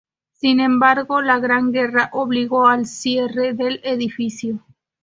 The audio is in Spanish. Sin embargo la gran guerra obligó al cierre del edificio.